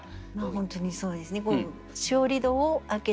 本当にそうですね。